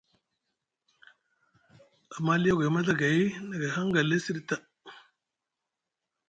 Amma aliogoy maɵagay na gay hangalɗi siɗi ta.